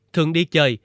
thường đi chơi